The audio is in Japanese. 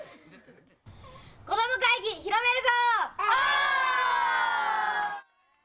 子ども会議、広めるぞー、おー！